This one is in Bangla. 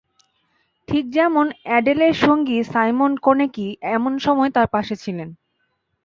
ঠিক যেমন অ্যাডেলের সঙ্গী সাইমন কোনেকি এমন সময় তাঁর পাশে ছিলেন।